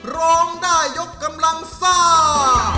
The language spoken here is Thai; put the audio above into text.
ร้องได้ยกกำลังซ่า